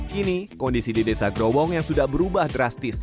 kini kondisi di desa growong yang sudah berubah drastis